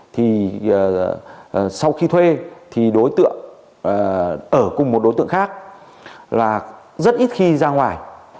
thì sau khi thuê thì đối tượng ở cùng một đối tượng khác là rất ít khi ra ngoài